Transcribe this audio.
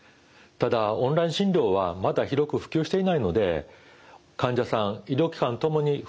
ただオンライン診療はまだ広く普及していないので患者さん医療機関ともに不慣れなところはあります。